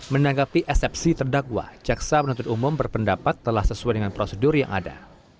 menanggapi eksepsi terdakwa jaksa penuntut umum berpendapat telah sesuai dengan prosedur yang ada